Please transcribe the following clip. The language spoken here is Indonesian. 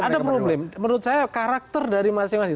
ada problem menurut saya karakter dari masing masing